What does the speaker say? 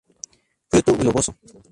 Fruto globoso.